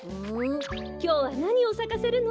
きょうはなにをさかせるの？